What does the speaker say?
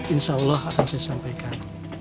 insya allah akan saya sampaikan